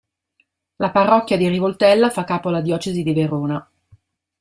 La parrocchia di Rivoltella fa capo alla diocesi di Verona.